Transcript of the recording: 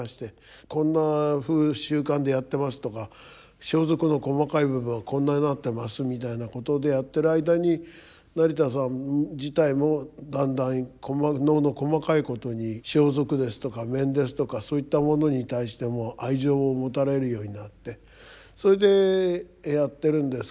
こんなふう習慣でやってますとか装束の細かい部分はこんなになってますみたいなことでやってる間に成田さん自体もだんだん能の細かいことに装束ですとか面ですとかそういったものに対しても愛情を持たれるようになってそれでやってるんですけれども。